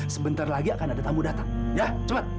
sebentar lagi akan ada tamu datang ya coba